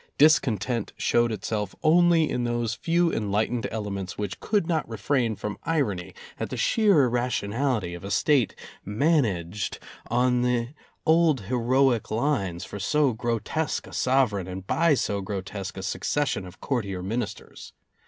Discontent showed itself only in those few enlightened elements which could not refrain from irony at the sheer irration [ 200 ] ality of a State managed on the old heroic lines for so grotesque a sovereign and by so grotesque a succession of courtier ministers.